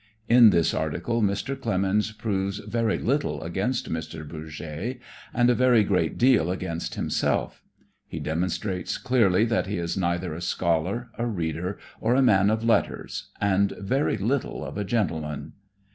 In this article Mr. Clemens proves very little against Mr. Bourget and a very great deal against himself. He demonstrates clearly that he is neither a scholar, a reader or a man of letters and very little of a gentleman.